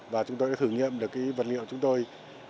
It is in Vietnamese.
và chúng tôi đã thử nghiệm được cái vật liệu chúng tôi